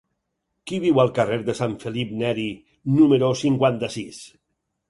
Qui viu al carrer de Sant Felip Neri número cinquanta-sis?